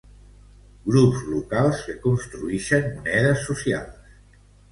Grups locals que construïxen monedes socials.